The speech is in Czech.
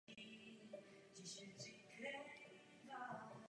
Ještě téhož roku byla věž provizorně zastřešena a pořízen nový zvon.